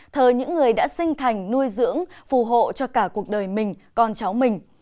thờ những người đã sinh thành nuôi dưỡng phù hộ cho cả cuộc đời mình con cháu mình